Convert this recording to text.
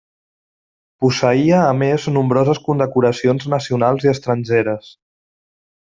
Posseïa a més nombroses condecoracions nacionals i estrangeres.